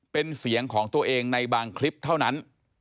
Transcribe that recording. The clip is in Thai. เป็นเสียงของตัวเองในบางคลิปเท่านั้น